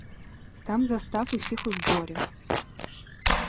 Там застав усіх у зборі.